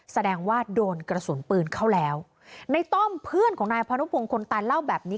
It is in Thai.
แสดงว่าโดนกระสุนปืนเข้าแล้วในต้อมเพื่อนของนายพานุพงศ์คนตายเล่าแบบนี้